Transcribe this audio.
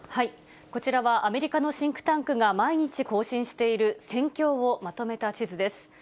こちらは、アメリカのシンクタンクが毎日更新している、戦況をまとめた地図です。